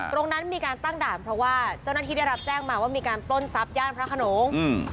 ตรงนั้นมีการตั้งด่านเพราะว่าเจ้าหน้าที่ได้รับแจ้งมาว่ามีการปล้นทรัพย่านพระขนงอืม